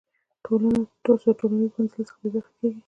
تاسو د ټولنیز منزلت څخه بې برخې کیږئ.